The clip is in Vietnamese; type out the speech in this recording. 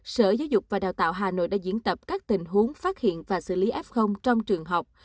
sở giáo dục và đào tạo hà nội đã diễn tập các tình huống phát hiện và xử lý f trong trường học